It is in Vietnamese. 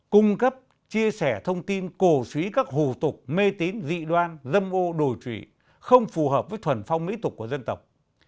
cung cấp chia sẻ thông tin cổ suý các hù tục mê tín dị đoan dâm ô đồi trụy không phù hợp với thuần phong mỹ tục của dân tộc